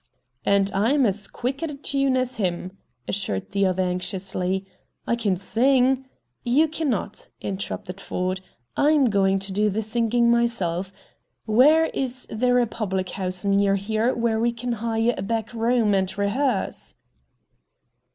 "And I'm as quick at a tune as him," assured the other anxiously. "I can sing " "You cannot," interrupted Ford. "I'm going to do the singing myself. Where is there a public house near here where we can hire a back room, and rehearse?"